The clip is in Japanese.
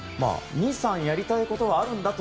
２３やりたいことはあるんだと。